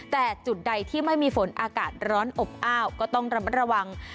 แต่จุดใดที่ไม่มีฝนอากาศร้อนอบอ้าวก็ต้องระมัดระวัง